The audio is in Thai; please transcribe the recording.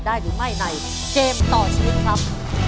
หรือไม่ในเกมต่อชีวิตครับ